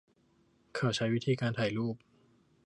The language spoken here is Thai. เขาใช้วิธีการถ่ายรูป